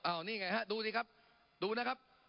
อ้าวนี่ไงครับดูสิครับดูนะครับ